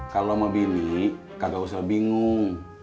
kalau mau bini kagak usah bingung